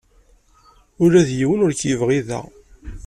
Ula d yiwen ur k-yebɣi da.